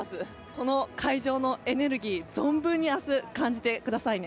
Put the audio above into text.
この会場のエネルギー存分に明日、感じてくださいね。